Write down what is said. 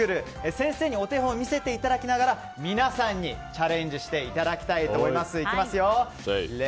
先生にお手本を見せていただきながら皆さんにチャレンジしていただきたいと思います。